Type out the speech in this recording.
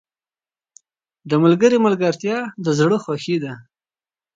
• د ملګري ملګرتیا د زړه خوښي ده.